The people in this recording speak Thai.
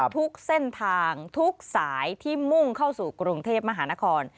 ทุกเส้นทางทุกสายที่มุ่งเข้าสู่กรุงเทพมหานคร